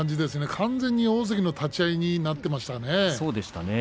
完全に大関の立ち合いになっていました。